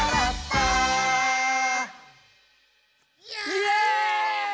イエーイ！